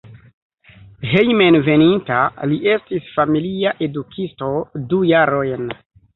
Hejmenveninta li estis familia edukisto du jarojn.